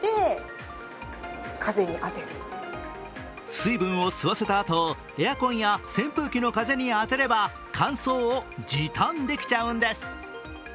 水分を吸わせたあと、エアコンや扇風機の風に当てれば乾燥を時短できちゃうんです。